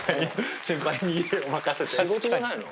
仕事じゃないの？